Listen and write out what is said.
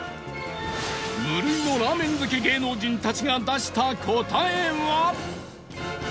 無類のラーメン好き芸能人たちが出した答えは